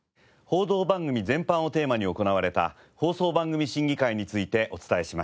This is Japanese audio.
報道番組全般をテーマに行われた放送番組審議会についてお伝えしました。